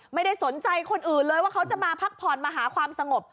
ไม่ได้สนใจคนอื่นเลยว่าเขาจะมาพักผ่อนมาหาความสงบ